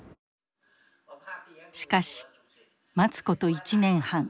しかし待つこと１年半。